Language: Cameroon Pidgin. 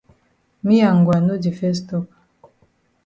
Me and Ngwa no di fes tok.